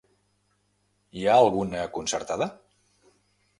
Hi ha alguna concertada?